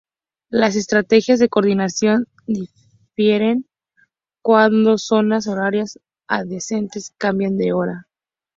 Las estrategias de coordinación difieren cuando zonas horarias adyacentes cambian de hora.